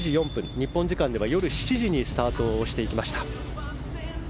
日本時間では夜７時にスタートしていきました。